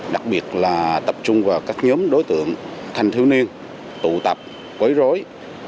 đặc biệt là tập trung vào các nhóm đối tượng thanh thiếu niên tụ tập quấy rối